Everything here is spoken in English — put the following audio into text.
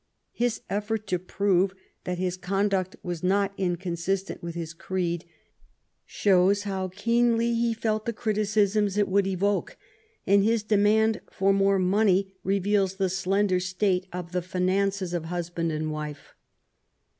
His effort to prove that his conduct was not inconsistent with his creed shows how keenly he felt the criticisms it would evoke ; and his demand for more money re* veals the slender state of the finances of husband and wife.